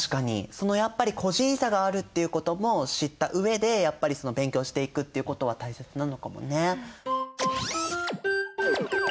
そのやっぱり個人差があるっていうことも知った上でやっぱり勉強していくっていうことは大切なのかもね。